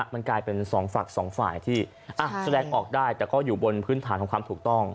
มันกลายเป็นสองฝั่งสองฝ่ายที่แสดงออกได้แต่ก็อยู่บนพื้นฐานของความถูกต้อง